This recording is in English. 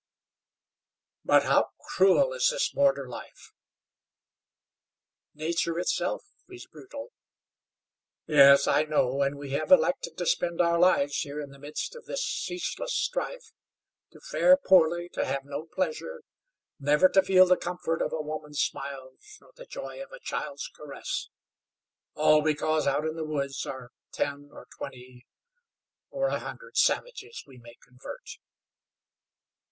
"But how cruel is this border life!" "Nature itself is brutal." "Yes, I know, and we have elected to spend our lives here in the midst of this ceaseless strife, to fare poorly, to have no pleasure, never to feel the comfort of a woman's smiles, nor the joy of a child's caress, all because out in the woods are ten or twenty or a hundred savages we may convert."